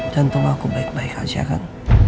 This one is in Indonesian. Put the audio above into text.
jantung aku baik baik aja kan